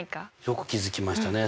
よく気付きましたね。